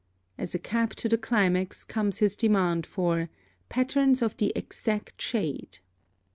As a cap to the climax comes his demand for "patterns of the exact shade."